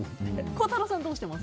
孝太郎さんはどうしていますか？